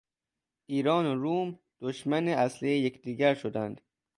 ایران و روم دشمن اصلی یکدیگر شدند.